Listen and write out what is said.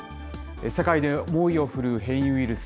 世界で猛威を振るう変異ウイルス。